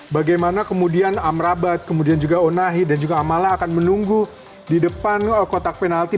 bagaimana kemudian amrabat kemudian juga onahi dan juga amala akan menunggu di depan kotak penalti